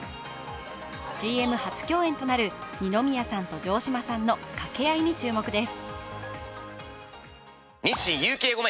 ＣＭ初共演となる二宮さんと城島さんの掛け合いに注目です。